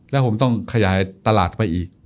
แล้วผมต้องขยายตลาดไปอีก